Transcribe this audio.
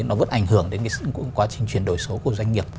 nó vẫn ảnh hưởng đến quá trình chuyển đổi số của doanh nghiệp